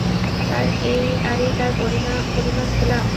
আর এই তার পরিমাণ পেলাম।